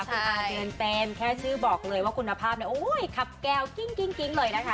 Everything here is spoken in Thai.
คุณอาเดินเต็มแค่ชื่อบอกเลยว่าคุณภาพเนี่ยโอ้ยขับแก้วกิ้งเลยนะคะ